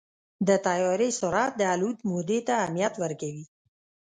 د طیارې سرعت د الوت مودې ته اهمیت ورکوي.